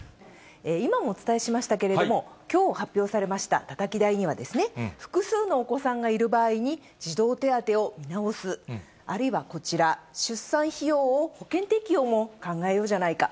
今もお伝えしましたけれども、きょう発表されましたたたき台には、複数のお子さんがいる場合に児童手当を見直す、あるいはこちら、出産費用を保険適用も考えようじゃないか。